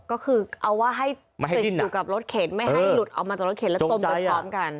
ก็คือเอาว่าให้ติดอยู่กับรถเข็นไม่ให้หลุดออกมาจากรถเข็นแล้วจมไปพร้อมกัน